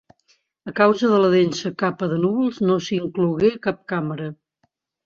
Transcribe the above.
A causa de la densa capa de núvols no s'inclogué cap càmera.